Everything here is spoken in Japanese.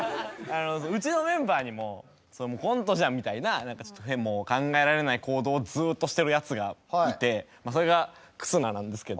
うちのメンバーにも「それもうコントじゃん」みたいな何かちょっと考えられない行動をずっとしてるやつがいてそれが忽那なんですけど。